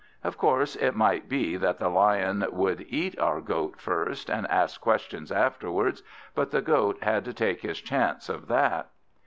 Of course, it might be that the Lion would eat our Goat first, and ask questions afterwards; but the Goat had to take his chance of that.